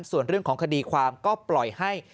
ส่วนเรื่องของคดีความก็ปล่อยให้